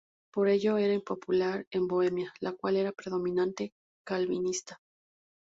Por ello era impopular en Bohemia, la cual era predominantemente calvinista.